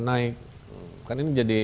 naik kan ini jadi